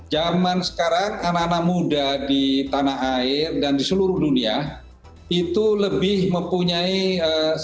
jaman sekarang anak anak muda di tanah air dan di seluruh dunia itu lebih mempunyai self confidence yang lebih tinggi